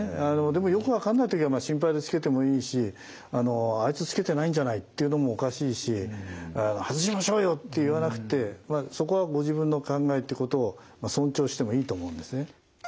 でもよく分かんない時は心配でつけてもいいしあいつつけてないんじゃない？って言うのもおかしいし外しましょうよって言わなくてそこはご自分の考えってことを尊重してもいいと思うんですね。